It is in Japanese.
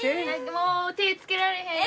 もう手つけられへん。